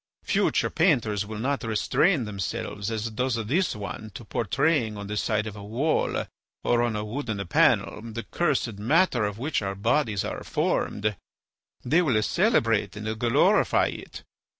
Future painters will not restrain themselves as does this one to portraying on the side of a wall or on a wooden panel the cursed matter of which our bodies are formed; they will celebrate and glorify it.